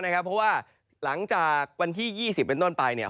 เพราะว่าหลังจากวันที่๒๐เป็นต้นไปเนี่ย